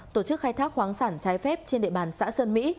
tổ chức khai thác khoáng sản trái phép trên địa bàn xã sơn mỹ